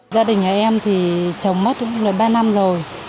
gia đình nhà em thì chồng mất cũng là ba năm rồi